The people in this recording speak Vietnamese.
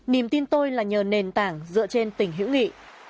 niềm tin tôi là nhờ nền tảng dựa trên tình hữu nghị